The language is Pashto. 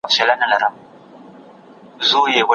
که ته وغواړي نو زه به ستا سره مرسته وکړم.